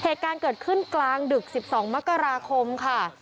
เหตุการณ์เกิดขึ้นกลางดึก๑๒มกราคมค่ะ